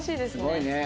すごいね。